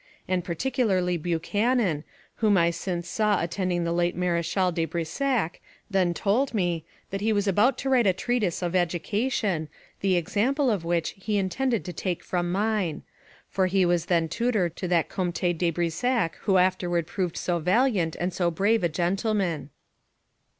And particularly Buchanan, whom I since saw attending the late Mareschal de Brissac, then told me, that he was about to write a treatise of education, the example of which he intended to take from mine; for he was then tutor to that Comte de Brissac who afterward proved so valiant and so brave a gentleman.